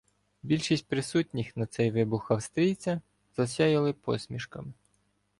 Більшість присутніх на цей вибух "австрійця" засяяли посмішками.